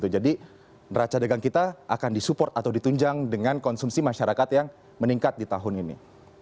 jadi neraca dagang kita akan disupport atau ditunjang dengan konsumsi masyarakat yang meningkat di tahun ini